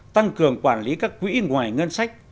tăng cường quản lý các quỹ ngoài ngân sách